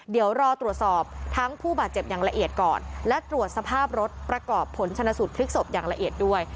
เดี๋ยวรอตรวจสอบทั้งผู้บาดเจ็บอย่างละเอียดก่อนและตรวจสภาพรถประกอบผลชนะสูตรพลิกศพอย่างละเอียดด้วย